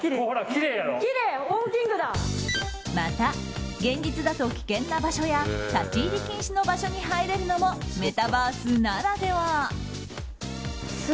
また現実だと、危険な場所や立ち入り禁止の場所に入れるのもメタバースならでは。